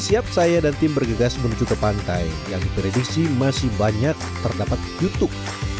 siap saya dan tim bergegas menuju ke pantai yang diprediksi masih banyak terdapat jutuk